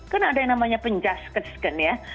kan ada yang namanya penjaskan skan ya